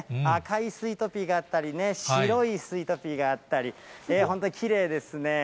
赤いスイートピーがあったりね、白いスイートピーがあったり、本当にきれいですね。